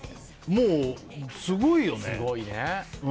もうすごいよね。